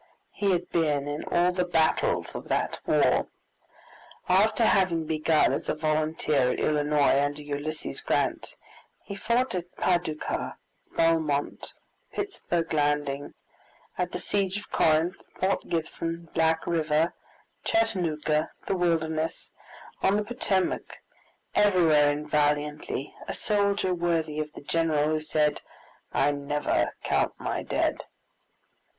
He had been in all the battles of that war. After having begun as a volunteer at Illinois, under Ulysses Grant, he fought at Paducah, Belmont, Pittsburg Landing, at the siege of Corinth, Port Gibson, Black River, Chattanooga, the Wilderness, on the Potomac, everywhere and valiantly, a soldier worthy of the general who said, "I never count my dead!"